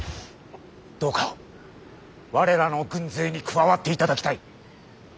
どうか我らの軍勢に加わっていただきたい。